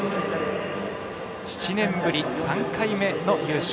７年ぶり３回目の優勝。